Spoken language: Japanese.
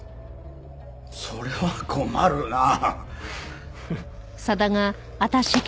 それは困るなあ。